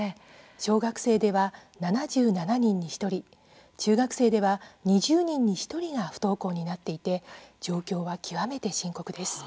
小学生では７７人に１人中学生では２０人に１人が不登校になっていて状況は極めて深刻です。